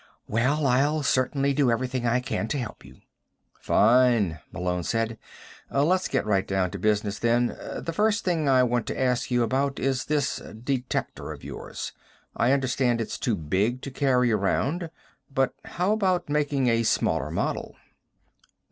"Well, I'll certainly do everything I can to help you." "Fine," Malone said. "Let's get right down to business, then. The first thing I want to ask you about is this detector of yours. I understand it's too big to carry around but how about making a smaller model?"